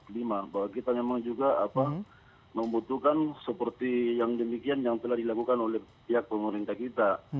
bahwa kita memang juga membutuhkan seperti yang demikian yang telah dilakukan oleh pihak pemerintah kita